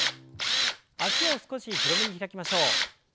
脚を少し広めに開きましょう。